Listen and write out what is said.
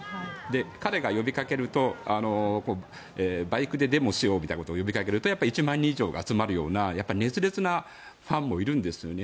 彼が呼びかけるとバイクでデモしようと呼びかけると１万人以上が集まるような熱烈なファンもいるんですね。